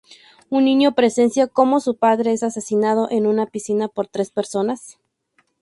Un niño presencia cómo su padre es asesinado en una piscina por tres personas.